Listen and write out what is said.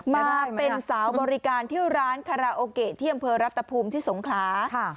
มาเป็นสาวบริการที่ร้านคาราโอเกะที่อำเภอรัตภูมิที่สงขลา